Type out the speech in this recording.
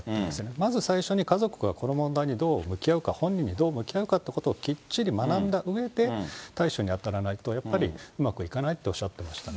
まず最初に家族がこの問題にどう向き合うか、本人にどう向き合うかということをきっちり学んだうえで対処に当たらないと、やっぱりうまくいかないっておっしゃっていましたね。